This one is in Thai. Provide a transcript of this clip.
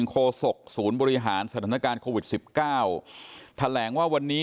โศกศูนย์บริหารสถานการณ์โควิดสิบเก้าแถลงว่าวันนี้